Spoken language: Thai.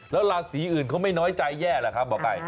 แล้วราศีอื่นเขาไม่น้อยใจแย่หรือครับหมอไก่